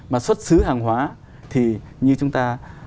mà xuất xứ hàng hóa thì như chúng ta